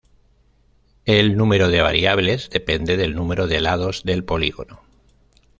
El número de variables depende del número de lados del polígono.